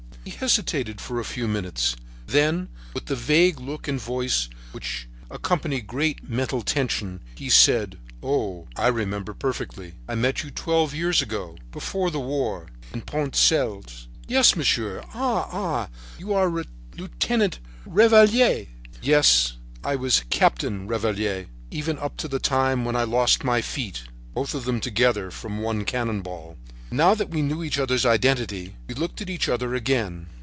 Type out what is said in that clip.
He hesitated for a few minutes; then, with the vague look and voice which accompany great mental tension, he said: "Oh, I remember perfectly. I met you twelve years ago, before the war, at the Poincels!" "Yes, monsieur. Ah! Ah! You are Lieutenant Revaliere?" "Yes. I was Captain Revaliere even up to the time when I lost my feet —both of them together from one cannon ball." Now that we knew each other's identity we looked at each other again.